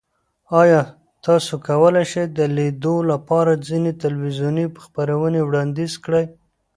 ایا تاسو کولی شئ د لیدو لپاره ځینې تلویزیوني خپرونې وړاندیز کړئ؟